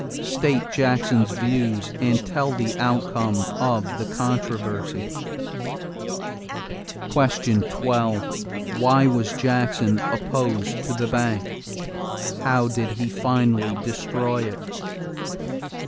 State Jackson's views and tell the outcome of the controversy. 12. Why was Jackson opposed to the bank? How did he finally destroy it?